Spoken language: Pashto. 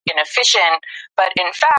هر ډول میکروب ځانګړی انټيجن لري.